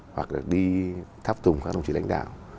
hoặc là đi thắp tùng các đồng chí lãnh đạo